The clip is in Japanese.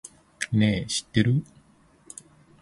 ねぇ、知ってる？